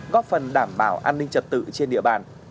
góp phần đảm bảo an ninh trật tự trên địa bàn